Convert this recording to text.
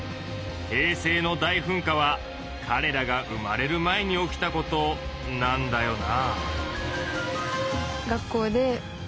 平成の大噴火はかれらが生まれる前に起きたことなんだよな。